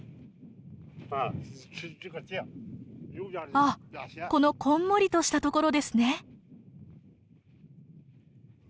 あっこのこんもりとしたところですね。